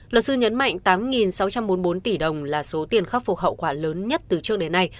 luật sư nhấn mạnh tám sáu trăm bốn mươi bốn tỷ đồng là số tiền khắc phục hậu quả lớn nhất từ trước đến nay